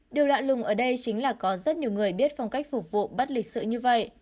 điều lạ lùng ở đây chính là có rất nhiều người biết phong cách phục vụ bắt lịch sử như vậy